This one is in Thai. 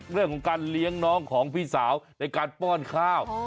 เรื่องของการเลี้ยงน้องของพี่สาวในการป้อนข้าว